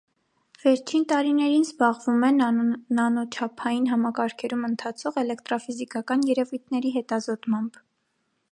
Վերջին տարիներին զբաղվում է նանոչափային համակարգերում ընթացող էլեկտրաֆիզիկական երևույթների հետազոտմամբ։